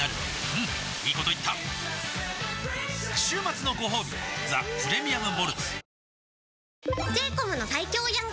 うんいいこと言った週末のごほうび「ザ・プレミアム・モルツ」